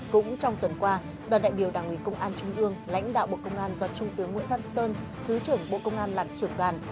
cũng trong tuần qua đoàn đại biểu đảng ủy công an trung ương lãnh đạo bộ công an do trung tướng nguyễn văn sơn thứ trưởng bộ công an làm trưởng đoàn